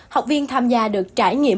học viên tham gia được trải nghiệm